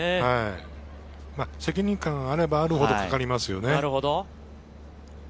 責任感があればあるほどかかりますよね。